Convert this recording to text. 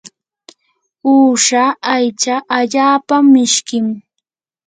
uusha aycha allaapa mishkim.